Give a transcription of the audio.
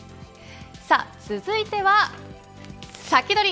続いてはサキドリ！